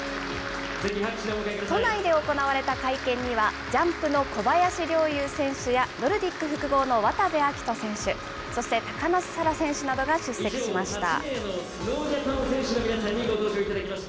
都内で行われた会見には、ジャンプの小林陵侑選手や、ノルディック複合の渡部暁斗選手、そして高梨沙羅選手などが出席しました。